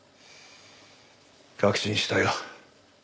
確信したよ。